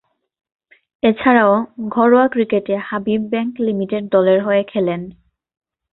এছাড়াও, ঘরোয়া ক্রিকেটে হাবিব ব্যাংক লিমিটেড দলের হয়ে খেলেন।